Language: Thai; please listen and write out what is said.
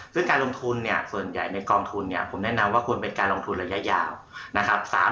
ซึ่งการลงทุนเนี่ยส่วนใหญ่ในกองทุนเนี่ยผมแนะนำว่าควรเป็นการลงทุนระยะยาวนะครับ